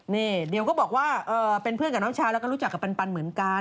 นี่เดี๋ยวก็บอกว่าเป็นเพื่อนกับน้องชายแล้วก็รู้จักกับปันเหมือนกัน